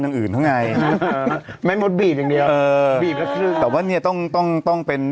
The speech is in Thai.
ล่าสุดเห็นวิทย์พดจะติดต่ออีกแล้วนะ